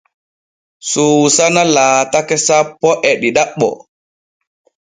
Suusana laatake sappo e ɗiɗaɓo.